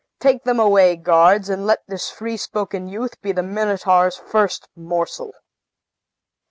Take them away, guards; and let this free spoken youth be the Minotaur's first morsel."